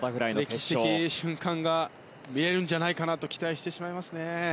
歴史的瞬間が見れるんじゃないかと期待してしまいますね。